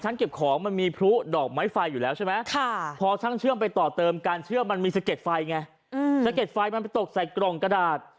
สะเก็ดไฟมันไปตกใส่กล่องกระดาษ